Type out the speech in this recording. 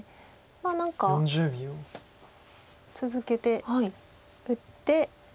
何か続けて打って。